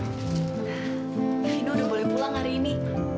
vino udah boleh pulang hari ini